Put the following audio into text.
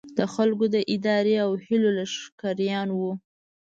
د خلکو د ارادې او هیلو لښکریان وو.